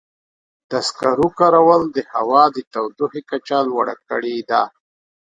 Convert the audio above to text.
د سکرو کارول د هوا د تودوخې کچه لوړه کړې ده.